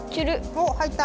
おっ入った！